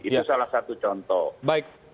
itu salah satu contoh